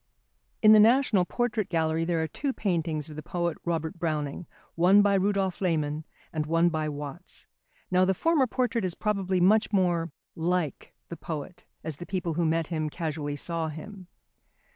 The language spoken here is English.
In the National Portrait Gallery there are two paintings of the poet Robert Browning, one by Rudolph Lehmann and one by Watts. Now the former portrait is probably much more "like" the poet as the people who met him casually saw him.